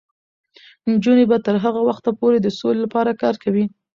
نجونې به تر هغه وخته پورې د سولې لپاره کار کوي.